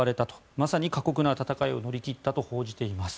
まさに過酷な戦いを乗り切ったと報じています。